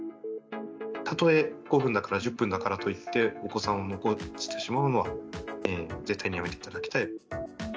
たとえ５分だから、１０分だからといって、お子さんを残してしまうのは絶対にやめていただきたい。